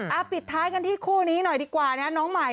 เราจะปิดท้ายกันที่ครูนี้หน่อยดีกว่านะครับ